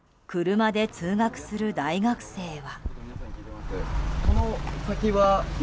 車で通学する大学生は。